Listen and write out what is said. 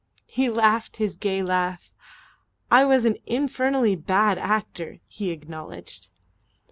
He laughed his gay laugh. "I was an infernally bad actor," he acknowledged.